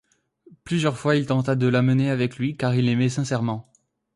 Plusieurs fois il tenta de l'emmener avec lui car il l'aimait sincèrement.